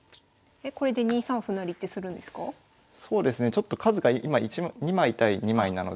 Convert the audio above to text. ちょっと数が今２枚対２枚なので。